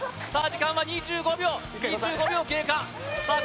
時間は２５秒２５秒経過さあ